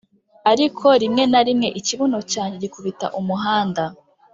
ariko rimwe na rimwe ikibuno cyanjye gikubita umuhanda